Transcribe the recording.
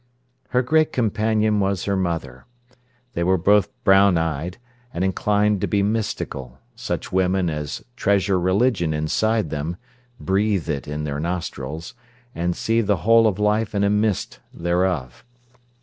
Her great companion was her mother. They were both brown eyed, and inclined to be mystical, such women as treasure religion inside them, breathe it in their nostrils, and see the whole of life in a mist thereof.